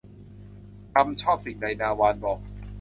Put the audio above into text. ทำชอบสิ่งใดนา วานบอก